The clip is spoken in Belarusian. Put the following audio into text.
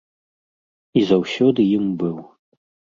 І заўсёды ім быў.